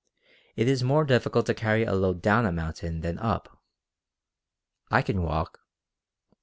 "It is more difficult to carry a load down a mountain than up. I can walk."